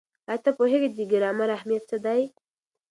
ایا تاسې پوهېږئ د ګرامر اهمیت څه دی؟